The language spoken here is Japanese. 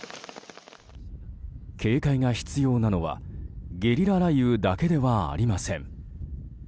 警戒が必要なのはゲリラ雷雨だけではありません。